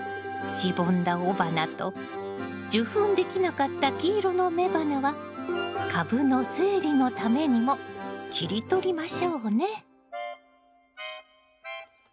しぼんだ雄花と受粉できなかった黄色の雌花は株の整理のためにも切り取りましょうね。